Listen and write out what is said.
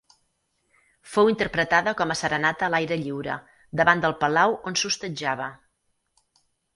Fou interpretada com a serenata a l'aire lliure, davant del palau on s'hostatjava.